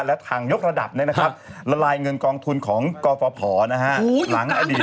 และทางยกระดับละลายเงินกองทุนของกฟภหลังอดีต